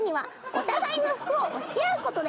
「お互いの服を教え合うことで」